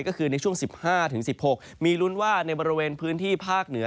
ก็คือในช่วง๑๕๑๖มีลุ้นว่าในบริเวณพื้นที่ภาคเหนือ